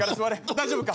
大丈夫か？